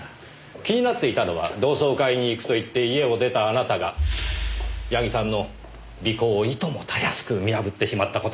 気になっていたのは同窓会に行くと言って家を出たあなたが矢木さんの尾行をいともたやすく見破ってしまった事です。